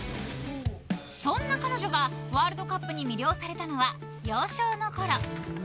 そんな彼女がワールドカップに魅了されたのは幼少のころ。